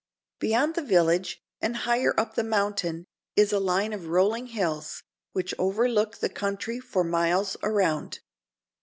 Beyond the village, and higher up the mountain, is a line of rolling hills, which overlook the country for miles around.